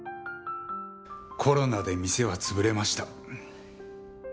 コロナで店は潰れました。